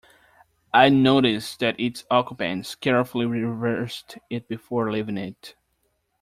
I noticed that its occupants carefully reversed it before leaving it.